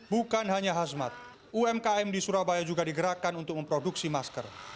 bukan hanya hazmat umkm di surabaya juga digerakkan untuk memproduksi masker